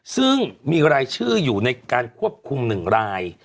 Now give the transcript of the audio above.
ซึ่งมีรายชื่ออยู่ในการควบคุม๑ราย